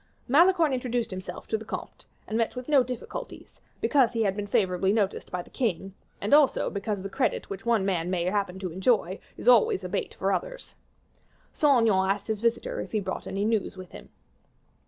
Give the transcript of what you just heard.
Malicorne introduced himself to the comte, and met with no difficulties, because he had been favorably noticed by the king; and also, because the credit which one man may happen to enjoy is always a bait for others. Saint Aignan asked his visitor if he brought any news with him.